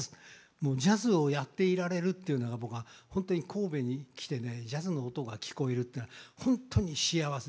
もうジャズをやっていられるっていうのが僕は本当に神戸に来てねジャズの音が聞こえるっていうのは本当に幸せです。